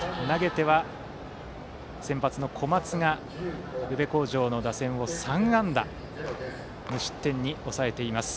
投げては先発の小松が宇部鴻城打線を３安打で無失点に抑えています。